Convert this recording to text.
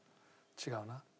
違うな。